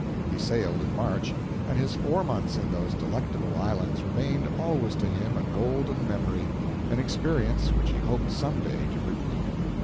He sailed in March, and his four months in those delectable islands remained always to him a golden memory an experience which he hoped some day to repeat.